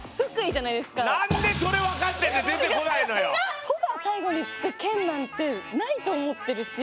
「と」が最後に付く県なんてないと思ってるし。